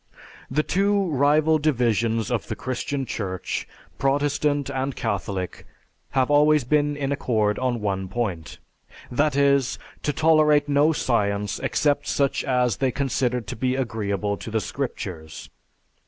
_ The two rival divisions of the Christian Church, Protestant and Catholic, have always been in accord on one point, that is, to tolerate no science except such as they considered to be agreeable to the Scriptures.